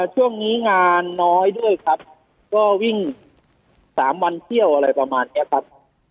ช่วงนี้งานน้อยด้วยครับก็วิ่ง๓วันเที่ยวอะไรประมาณนี้ครับ